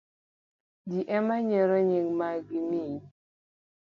Ji ema yiero nying' ma gimiyi.